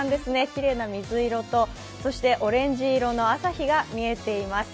きれいな水色とそしてオレンジ色の朝日が見えています。